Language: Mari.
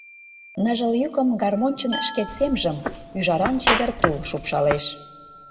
Ныжыл йӱкым — гармоньчын шкет семжым — Ӱжаран чевер тул шупшалеш.